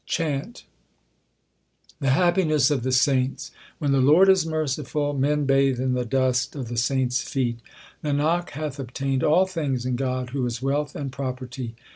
CHHANT. The happiness of the saints : When the Lord is merciful, men bathe in the dust of the saints feet. Nanak hath obtained all things in God who is wealth and property.